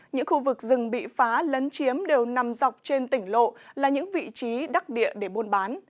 những khu vực rừng bị phá lấn chiếm đều nằm dọc trên tỉnh lộ là những vị trí đắc địa để buôn bán